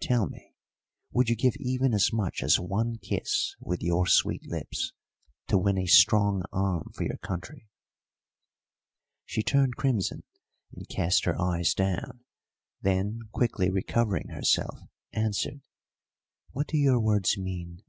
Tell me, would you give even as much as one kiss with your sweet lips to win a strong arm for your country?" She turned crimson and cast her eyes down; then, quickly recovering herself, answered: "What do your words mean?